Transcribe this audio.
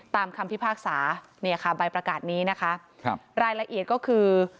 ตามคำพิพากษาใบประกาศนี้นะคะรายละเอียดก็คือ